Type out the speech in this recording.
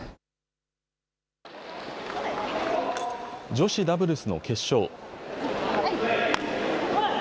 女子ダブルスの決勝。